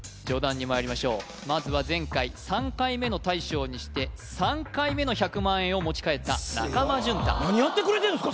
上段にまいりましょうまずは前回３回目の大将にして３回目の１００万円を持ち帰った中間淳太